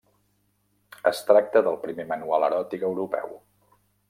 Es tracta del primer manual eròtic europeu.